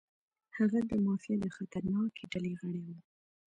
هغه د مافیا د خطرناکې ډلې غړی و.